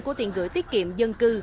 của tiền gửi tiết kiệm dân cư